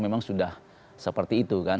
memang sudah seperti itu kan